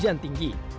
jalur yang tinggi